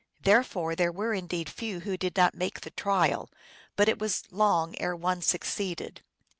Therefore there were indeed few who did not make the trial, but it was long ere one succeeded.